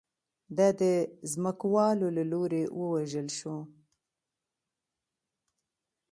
دا د ځمکوالو له لوري ووژل شو